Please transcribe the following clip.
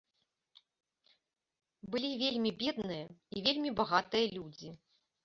Былі вельмі бедныя і вельмі багатыя людзі.